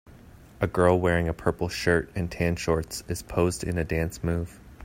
A girl wearing a purple shirt and tan shorts is posed in a dance move.